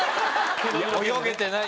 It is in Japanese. いや泳げてない。